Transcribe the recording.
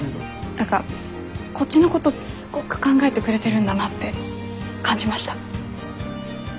何かこっちのことすごく考えてくれてるんだなって感じました。